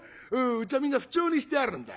うちはみんな符丁にしてあるんだよ。